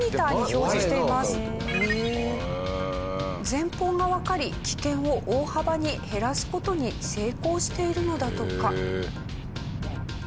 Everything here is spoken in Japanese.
前方がわかり危険を大幅に減らす事に成功しているのだとか。